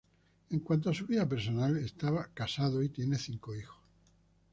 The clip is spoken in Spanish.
En cuanto a su vida personal, está casado y tiene cinco hijos.